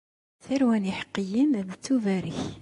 Tarwa n yiḥeqqiyen ad tettubarek.